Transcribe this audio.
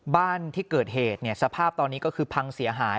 บ้านที่เกิดเหตุสภาพตอนนี้ก็คือพังเสียหาย